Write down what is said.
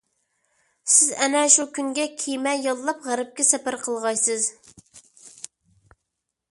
سىز ئەنە شۇ كۈنگە كېمە ياللاپ غەربكە سەپەر قىلغايسىز.